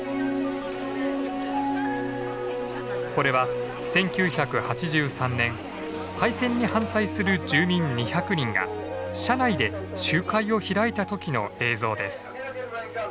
これは１９８３年廃線に反対する住民２００人が車内で集会を開いた時の映像です。